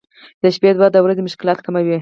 • د شپې دعا د ورځې مشکلات کموي.